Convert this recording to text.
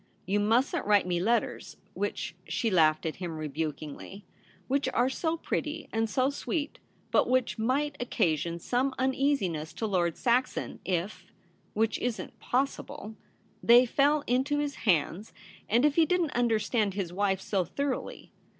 You mustn't write me letters which '— she MARTS RECEPTION. 255 laughed at him rebukingly, ' which are so pretty and so sweet, but which might occa sion some uneasiness to Lord Saxon if — which isn't possible — they fell into his hands, and if he didn't understand his wife so thoroughly.